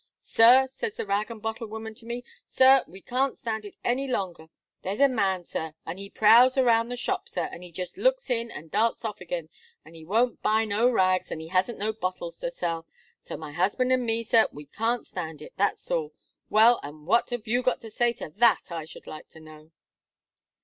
'Sir,' says the rag and bottle woman to me, 'Sir, we can't stand it no longer. There's a man, Sir, and he prowls around the shop. Sir, and he jist looks in, and darts off agin, and he won't buy no rags, and he hasn't no bottles to sell; and my husband and me, Sir, we can't stand it that's all.' Well, and what have you got to say to that, I should like to know?"